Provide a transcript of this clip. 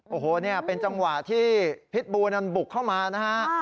โอ้โหเป็นจำว่าที่พิษบูมันบุกเข้ามานะฮะ